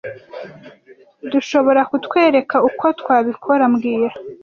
Urdushoborakutwereka uko twabikora mbwira